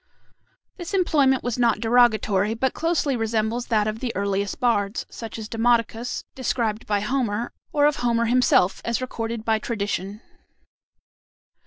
This employment was not derogatory, but closely resembles that of the earliest bards, such as Demodocus, described by Homer, or of Homer himself, as recorded by tradition.